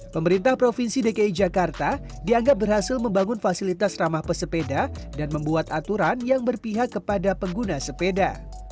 pemerintah provinsi dki jakarta dianggap berhasil membangun fasilitas ramah pesepeda dan membuat aturan yang berpihak kepada pengguna sepeda